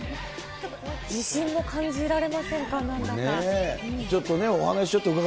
自信も感じられませんか、なんか。